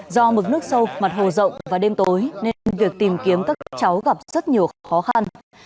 do mực nước sâu mặt hồ rộng và đêm tối nên việc tìm kiếm các cháu gặp rất nhiều khó khăn